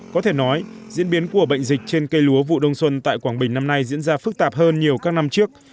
có thể nói diễn biến của bệnh dịch trên cây lúa vụ đông xuân tại quảng bình năm nay diễn ra phức tạp hơn nhiều các năm trước